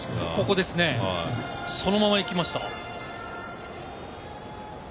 そのまま行きました。